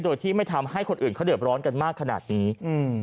โดยที่ไม่ทำให้คนอื่นเขาเดือบร้อนกันมากขนาดนี้อืม